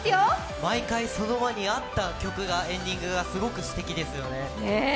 毎回その場にあったエンディングがすごいすてきですよね。